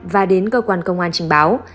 và đến cơ quan công an trình báo